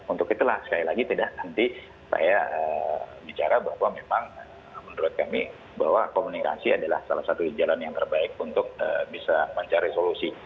untuk itulah sekali lagi tidak nanti saya bicara bahwa memang menurut kami bahwa komunikasi adalah salah satu jalan yang terbaik untuk bisa mencari solusi